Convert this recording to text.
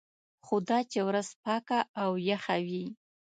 خو دا چې ورځ پاکه او یخه وي.